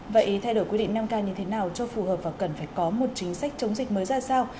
vậy thay đổi quy định năm k như thế nào cho phù hợp và cần phải có một chính sách chống dịch mới ra sao